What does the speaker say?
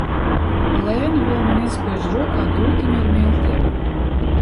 Lēna vēl man iespiež rokā tūtiņu ar miltiem.